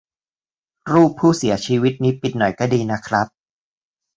รูปผู้เสียชีวิตนี่ปิดหน่อยก็ดีนะครับ